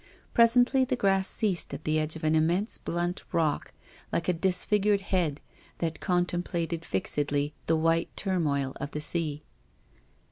Presently the grass ceased at the edge of an immense blunt rock, like a disfigured head, that contem plated fixedly the white turmoil of the sea.